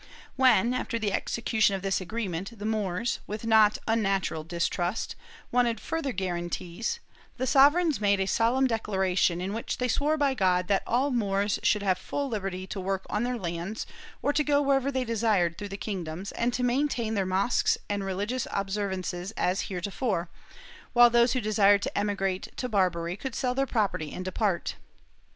When, after the execution of this agree ment, the Moors, with not unnatural distrust, wanted further guarantees, the sovereigns made a solemn declaration in which they swore by God that all Moors should have full liberty to work on their lands, or to go wherever they desired through the kingdoms, and to maintain their mosques and religious observ ances as heretofore, while those who desired to emigrate to Barbary could sell their property and depart.